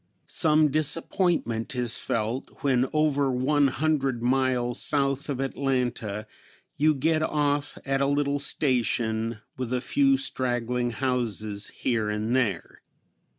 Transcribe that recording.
Some disappointment is felt when over one hundred miles south of Atlanta you get off at a little station, with a few straggling houses here and there.